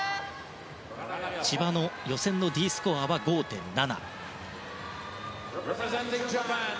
千葉の予選のＤスコアは５．７。